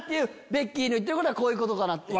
ベッキーの言ってることはこういうことかなっていう。